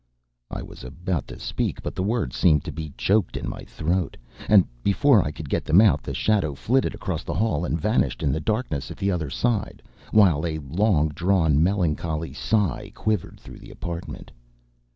I was about to speak, but the words seemed to be choked in my throat; and, before I could get them out, the shadow flitted across the hall and vanished in the darkness at the other side, while a long drawn melancholy sigh quivered through the apartment.